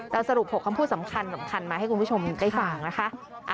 สรุป๖คำพูดสำคัญมาให้คุณผู้ชมได้ฟังนะคะ